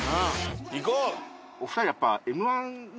行こう！